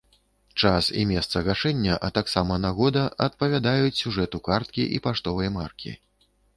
Час і месца гашэння, а таксама нагода адпавядаюць сюжэту карткі і паштовай маркі.